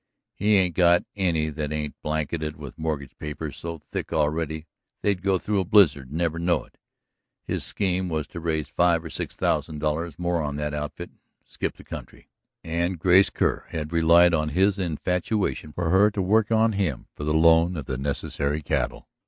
"He ain't got any that ain't blanketed with mortgage paper so thick already they'd go through a blizzard and never know it. His scheme was to raise five or six thousand dollars more on that outfit and skip the country." And Grace Kerr had relied on his infatuation for her to work on him for the loan of the necessary cattle.